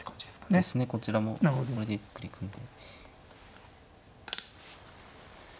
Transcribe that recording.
そうですねこちらもこれでゆっくり行くんで。